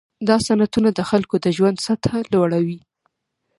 دا صنعتونه د خلکو د ژوند سطحه لوړوي.